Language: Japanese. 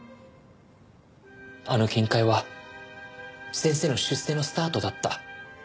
あの金塊は先生の出世のスタートだった。